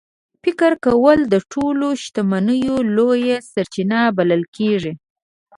فکر کول د ټولو شتمنیو لویه سرچینه بلل کېږي.